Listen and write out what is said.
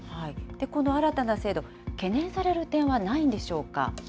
この新たな制度、懸念される点はないんでしょうか。